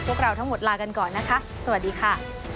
พวกเราทั้งหมดลากันก่อนนะคะสวัสดีค่ะ